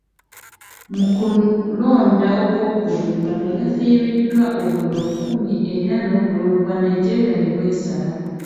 Mu kulonda okwokubiri, Rwanda yafiiriddwa obululu kkumi era n'obululu bwa Nigeria ne bwesala.